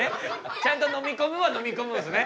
ちゃんと飲み込むは飲み込むんですね。